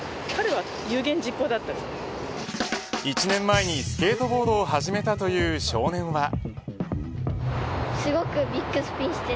１年前にスケートボードを始めたという少年は。